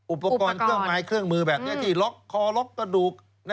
อุปกรณ์เครื่องไม้เครื่องมือแบบนี้ที่ล็อกคอล็อกกระดูก